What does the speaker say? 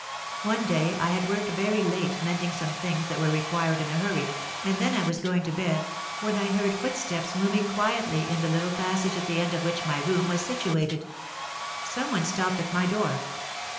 One day I had worked very late mending some things that were required in a hurry, and then I was going to bed, when I heard footsteps moving quietly in the little passage at the end of which my room was situated; some one stopped at my door.